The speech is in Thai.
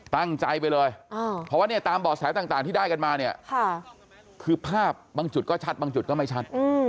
ตั้งใจไปเลยเพราะว่าเนี่ยตามบ่อแสต่างที่ได้กันมาเนี่ยคือภาพบางจุดก็ชัดบางจุดก็ไม่ชัด